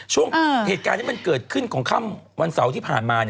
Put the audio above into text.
ช่วงเหตุการณ์ที่มันเกิดขึ้นของค่ำวันเสาร์ที่ผ่านมา